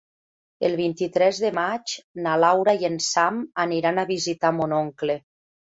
El vint-i-tres de maig na Laura i en Sam aniran a visitar mon oncle.